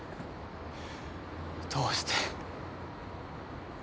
どうして。